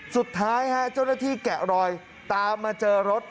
สุดท้ายฮะเจ้าหน้าที่แกะรอยตามมาเจอรถ